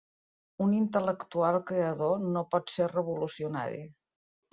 Un intel·lectual creador no pot ser revolucionari